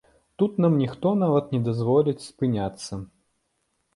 Тут нам ніхто нават не дазволіць спыняцца.